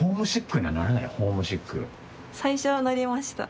最初はなりました。